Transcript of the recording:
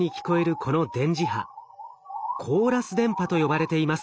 この電磁波「コーラス電波」と呼ばれています。